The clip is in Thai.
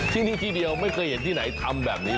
ที่นี่ที่เดียวไม่เคยเห็นที่ไหนทำแบบนี้